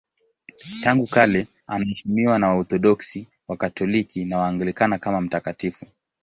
Tangu kale anaheshimiwa na Waorthodoksi, Wakatoliki na Waanglikana kama mtakatifu.